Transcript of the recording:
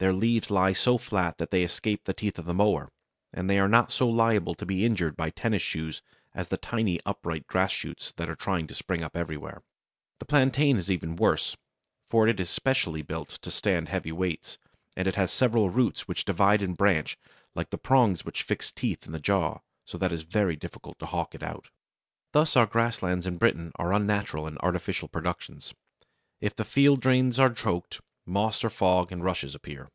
Their leaves lie so flat that they escape the teeth of the mower, and they are not so liable to be injured by tennis shoes as the tiny upright grass shoots which are trying to spring up everywhere. The Plantain is even worse, for it is specially built to stand heavy weights, and it has several roots which divide and branch like the prongs which fix teeth in the jaw, so that it is very difficult to howk it out. Thus our grasslands in Britain are unnatural and artificial productions. If the field drains are choked, moss or fog and rushes appear.